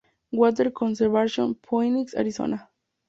Water Conservation, Phoenix, Arizona.